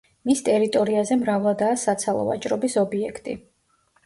მის ტერიტორიაზე მრავლადაა საცალო ვაჭრობის ობიექტი.